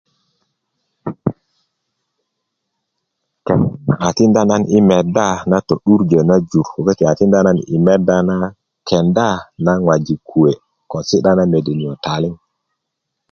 ken a tikinda nan yi medda na to'durjö na jur köti a tikinda na kenda na ŋojik kuwe' ko si'da na mede niyo' ko taliŋ